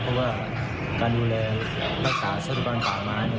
เพราะว่าการดูแลรักษาทรัพยากรป่าไม้